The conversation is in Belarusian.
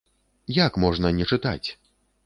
Як можна не чытаць?